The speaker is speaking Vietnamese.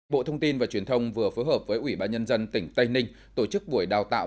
bộ thông tin và truyền thông vừa phối hợp với ủy ban nhân dân tỉnh tây ninh tổ chức buổi đào tạo